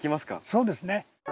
そうですね。